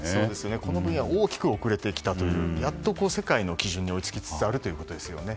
この分野、大きく遅れてきてやっと世界の基準に追いつきつつあるということですよね。